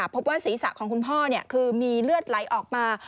พบว่าศีรษะของคุณพ่อคือมีเลือดไหลออกมา